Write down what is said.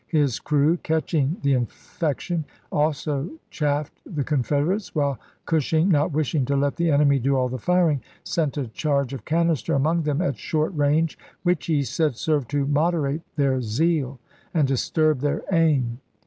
His crew, catching the infection, also chaffed the Confederates, while dish ing, not wishing to let the enemy do all the firing, sent a charge of canister among them at short range, which, he said, "served to moderate their zeal and disturb their aim."